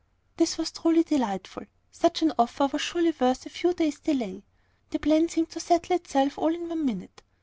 This was truly delightful. Such an offer was surely worth a few days' delay. The plan seemed to settle itself all in one minute.